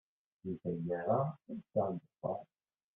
Deg tgara, ḥebseɣ ddexxan.